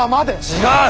違う！